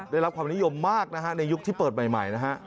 ได้รับความนิยมมากนะฮะในยุคที่เปิดใหม่นะฮะ